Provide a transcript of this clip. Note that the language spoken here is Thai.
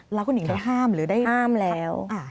แล้วคุณหญิงได้ห้ามหรือได้ห้ามแล้ว